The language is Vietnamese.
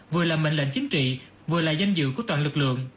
vừa là mệnh lệnh chính trị vừa là danh dự của toàn lực lượng